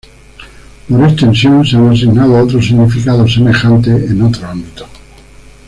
Por extensión, se han asignado otros significados semejantes en otros ámbitos.